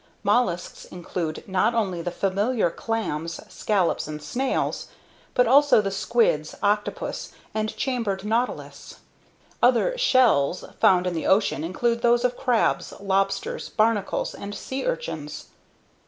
Mollusks include not only the familiar clams, scallops and snails, but also the squids, octopus and Chambered Nautilus. Other "shells" found in the ocean include those of crabs, lobsters, barnacles and sea urchins.